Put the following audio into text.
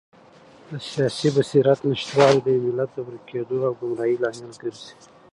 د سیاسي بصیرت نشتوالی د یو ملت د ورکېدو او ګمراهۍ لامل ګرځي.